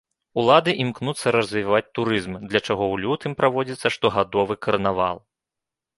Улады імкнуцца развіваць турызм, для чаго ў лютым праводзіцца штогадовы карнавал.